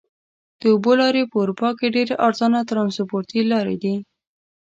د اوبو لارې په اروپا کې ډېرې ارزانه ترانسپورتي لارې دي.